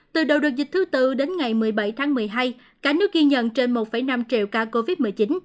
từ đầu đợt dịch thứ tư đến ngày một mươi bảy tháng một mươi hai cả nước ghi nhận trên một năm triệu ca covid một mươi chín